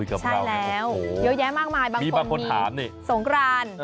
เยอะแยะมากมายบางคนมีสงคราน